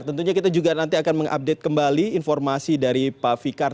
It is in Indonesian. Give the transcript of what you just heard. tentunya kita juga nanti akan mengupdate kembali informasi dari pak fikar